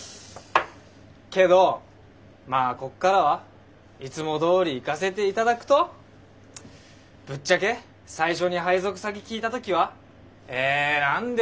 けどまあこっからはいつもどおりいかせて頂くとぶっちゃけ最初に配属先聞いた時は「え何で総務？